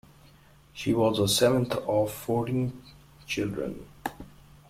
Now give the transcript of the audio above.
She was the seventh of fourteen children.